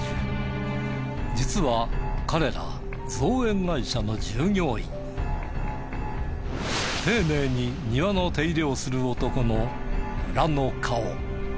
実は彼ら丁寧に庭の手入れをする男の裏の顔。